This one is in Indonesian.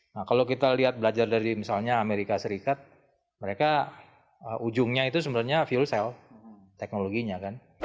nah kalau kita lihat belajar dari misalnya amerika serikat mereka ujungnya itu sebenarnya fuel cell teknologinya kan